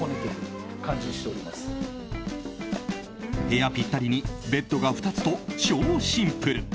部屋ぴったりにベッドが２つと超シンプル！